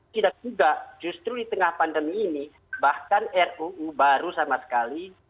tidak juga justru di tengah pandemi ini bahkan ruu baru sama sekali